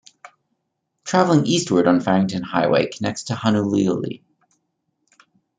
Traveling eastward on Farrington Highway connects to Honouliuli.